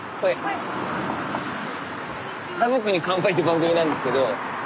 「家族に乾杯」って番組なんですけど。